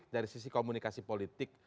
dari sisi komunikasi politik